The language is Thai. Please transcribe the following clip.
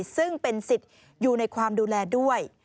ซึ่งเป็นสิทธิ์อยู่ในความดูแลด้วย